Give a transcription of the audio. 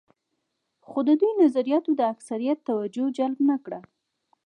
خو د دوی نظریاتو د اکثریت توجه جلب نه کړه.